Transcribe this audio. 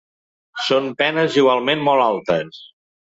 Són penes igualment molt altes.